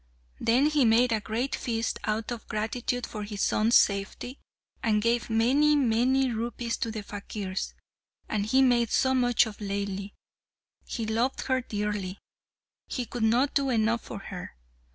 Then he made a great feast out of gratitude for his son's safety, and gave many, many rupees to the fakirs. And he made so much of Laili. He loved her dearly; he could not do enough for her.